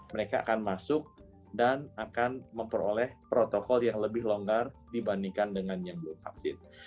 mereka akan masuk dan akan memperoleh protokol yang lebih longgar dibandingkan dengan yang belum vaksin